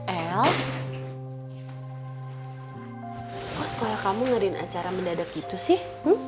el kok suka kamu ngerin acara mendadak gitu sih